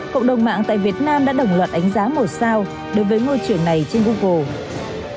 cộng đồng mạng tại việt nam đã đồng loạt đánh giá một sao đối với ngôi trường này trên google